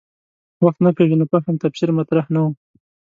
وخت نه پېژنو فهم تفسیر مطرح نه و.